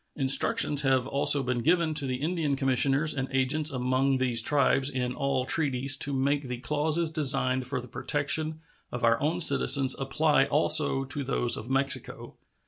Instructions have also been given to the Indian commissioners and agents among these tribes in all treaties to make the clauses designed for the protection of our own citizens apply also to those of Mexico.